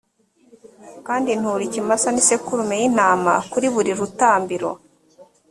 kandi ntura ikimasa n’isekurume y’intama kuri buri rutambiro.